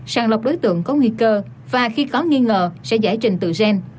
sàng lọc đối tượng có nguy cơ và khi có nghi ngờ sẽ giải trình tự gen